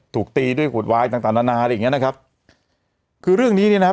ถูกตีด้วยขวดวายต่างต่างนานาอะไรอย่างเงี้ยนะครับคือเรื่องนี้เนี่ยนะครับ